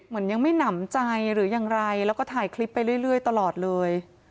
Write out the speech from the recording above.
เหมือนยังไม่หนำใจหรืออย่างไรแล้วก็ถ่ายคลิปไปเรื่อยตลอดเลย